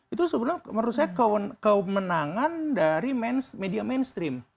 itu sebenarnya menurut saya kemenangan dari media mainstream